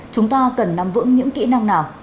chúng ta cần nắm vững những kỹ năng nào